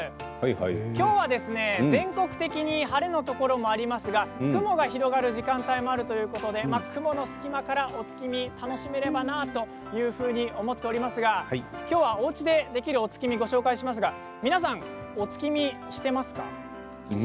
きょうは全国的に晴れのところもありますが雲が広がる時間帯もあるということで、雲の隙間からお月見楽しめればなというふうに思っておりますがきょうはおうちでできるお月見をご紹介しますが皆さんはお月見していますか？